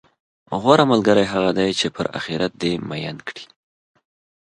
غوره ملګری هغه دی، چې پر اخرت دې میین کړي،